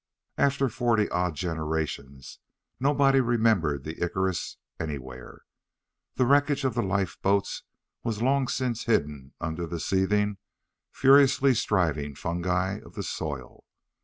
After forty odd generations, nobody remembered the Icarus anywhere. The wreckage of the lifeboats was long since hidden under the seething, furiously striving fungi of the soil.